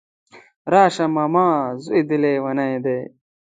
راشه ماما ځوی دی ليونی دی